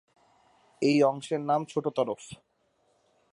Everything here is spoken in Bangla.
এই অংশের নাম ছোট তরফ।